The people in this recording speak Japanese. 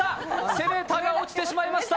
攻めたが落ちてしまいました。